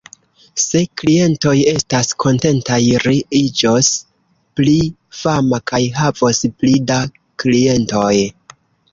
Se klientoj estas kontentaj, ri iĝos pli fama kaj havos pli da klientoj.